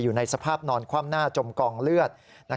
อยู่ในสภาพนอนคว่ำหน้าจมกองเลือด